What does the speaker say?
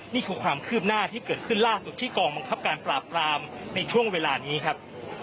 นี่คือความคืบหน้าที่เกิดขึ้นล่าสุดที่กองบังคับการปราบปรามในช่วงเวลานี้ครับ